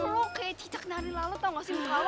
lo kayak cicak nyari lalat tau gak sih